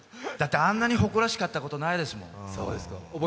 あんなに誇らしかったことないですもん。